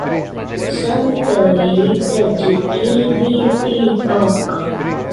Santa Rita de Ibitipoca